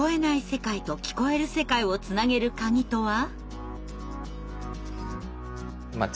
世界と聞こえる世界をつなげるカギとは？